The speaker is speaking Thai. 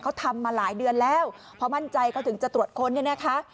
เขาทำมาหลายเดือนแล้วพอมั่นใจเขาถึงจะตรวจค้นเนี่ยนะคะ